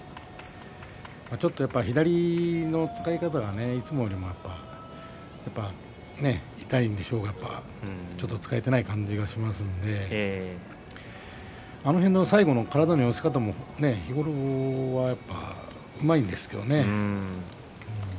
左の使い方がいつもより痛いんでしょうが使えていない感じがしますのであの辺の最後の体の寄せ方も日頃はうまいんですがね。